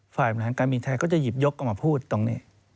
ฝ่ายบริหารการบินไทยก็จะหยิบยกออกมาพูดตรงนี้